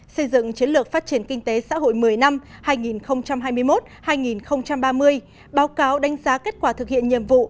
xây dựng chiến lược phát triển kinh tế xã hội một mươi năm hai nghìn hai mươi một hai nghìn ba mươi báo cáo đánh giá kết quả thực hiện nhiệm vụ